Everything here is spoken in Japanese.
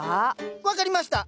分かりました！